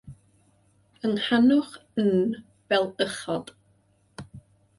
Ehangwch “N” fel uchod.